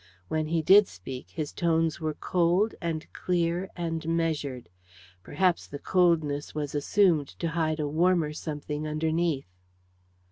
When he did speak his tones were cold, and clear, and measured perhaps the coldness was assumed to hide a warmer something underneath.